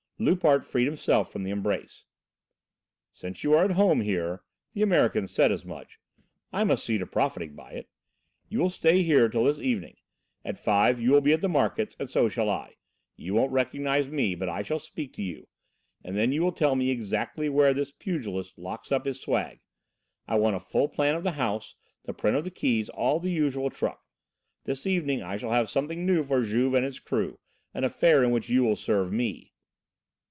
Loupart freed himself from the embrace. "Since you are at home here the American said as much I must see to profiting by it. You will stay here till this evening: at five you will be at the markets, and so shall I. You won't recognise me, but I shall speak to you, and then you will tell me exactly where this pugilist locks up his swag. I want a full plan of the house, the print of the keys, all the usual truck. This evening I shall have something new for Juve and his crew, an affair in which you will serve me."